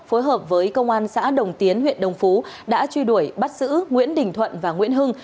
phối hợp với công an xã đồng tiến huyện đồng phú đã truy đuổi bắt giữ nguyễn đình thuận và nguyễn hưng